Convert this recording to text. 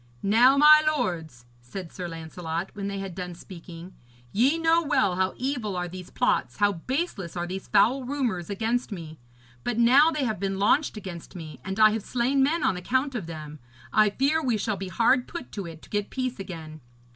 'Now, my lords,' said Sir Lancelot, when they had done speaking, 'ye know well how evil are these plots, how baseless are these foul rumours against me. But now they have been launched against me, and I have slain men on account of them, I fear we shall be hard put to it to get peace again.